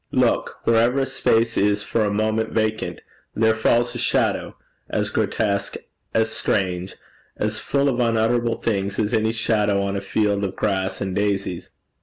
Look: wherever a space is for a moment vacant, there falls a shadow, as grotesque, as strange, as full of unutterable things as any shadow on a field of grass and daisies.'